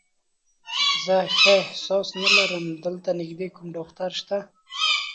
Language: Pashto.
زه ښه احساس نه لرم، دلته نږدې کوم ډاکټر شته؟